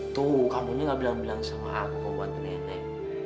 tuh kamu ini gak bilang bilang sama aku buat nenek